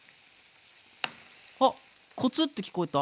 あっコツッて聞こえた。